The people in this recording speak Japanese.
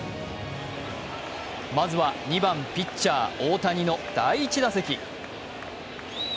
まずは２番ピッチャー・大谷の第１打席。